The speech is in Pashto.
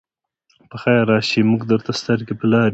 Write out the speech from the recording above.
پخير راشئ! موږ درته سترګې په لار وو.